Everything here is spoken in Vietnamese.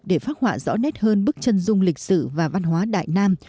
để phát họa rõ nét hơn bức chân dung lịch sử và văn hóa đại nam